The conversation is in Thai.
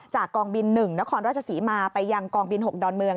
กองบิน๑นครราชศรีมาไปยังกองบิน๖ดอนเมือง